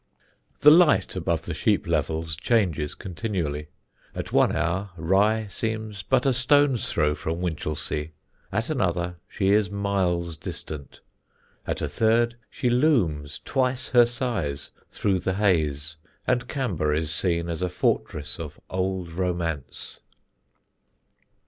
The light above the sheep levels changes continually: at one hour Rye seems but a stone's throw from Winchelsea; at another she is miles distant; at a third she looms twice her size through the haze, and Camber is seen as a fortress of old romance.